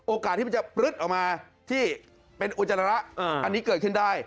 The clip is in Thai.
ที่มันจะปลึ๊ดออกมาที่เป็นอุจจาระอันนี้เกิดขึ้นได้